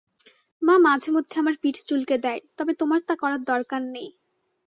মা মাঝেমধ্যে আমার পিঠ চুলকে দেয়, তবে তোমার তা করার দরকার নেই।